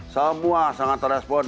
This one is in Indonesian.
semua sangat respon